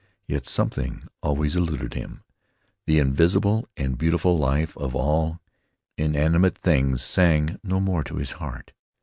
Yet something always eluded him. The invisible and beautiful life of all inanimate things sang no more in his heart.